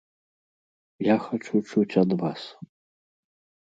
Я хачу чуць ад вас.